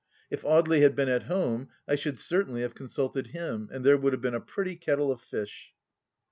If Audely had been at home, I should certainly have consulted him, and there would have been a pretty kettle of fish